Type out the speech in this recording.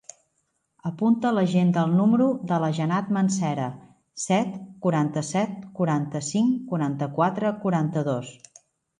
Apunta a l'agenda el número de la Janat Mancera: set, quaranta-set, quaranta-cinc, quaranta-quatre, quaranta-dos.